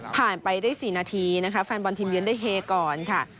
ไปได้๔นาทีนะคะแฟนบอลทีมเยือนได้เฮก่อนค่ะ